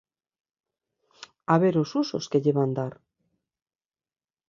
A ver os usos que lle van dar.